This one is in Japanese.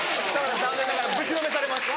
残念ながらぶちのめされます。